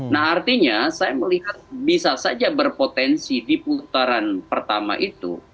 nah artinya saya melihat bisa saja berpotensi di putaran pertama itu